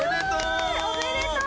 おめでとう！